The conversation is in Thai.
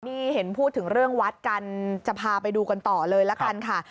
นี่เห็นพูดถึงเรื่องวัดกันจะพาไปดูกันต่อเลยละกันค่ะ